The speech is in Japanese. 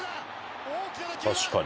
確かに。